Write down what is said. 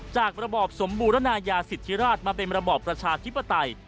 ระบอบสมบูรณายาสิทธิราชมาเป็นระบอบประชาธิปไตย